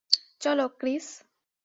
চলো, ক্রিস।